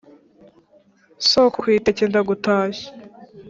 sokokwiteke ndagutashya